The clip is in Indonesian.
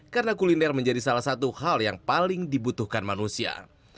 karena kuliner menjadi salah satu hal yang paling dibutuhkan manusia